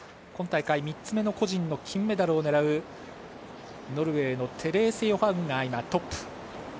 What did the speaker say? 今大会３つ目の個人金メダルを狙うノルウェーのテレーセ・ヨハウグがトップ。